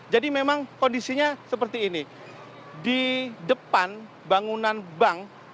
jadi memang kondisinya seperti ini di depan bangunan bank